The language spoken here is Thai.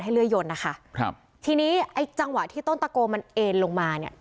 เลื่อยยนนะคะครับทีนี้ไอ้จังหวะที่ต้นตะโกมันเอ็นลงมาเนี่ย